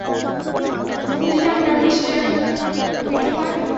বুঝলাম না, Mr Whitaker?